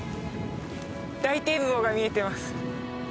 大展望が見えてます。